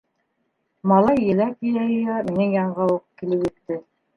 Малай еләк йыя-йыя минең янға уҡ килеп етте.